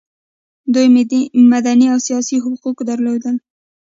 دوی مدني او سیاسي حقوق درلودل.